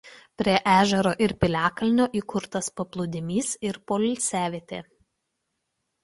Prie ežero ir piliakalnio įkurtas paplūdimys ir poilsiavietė.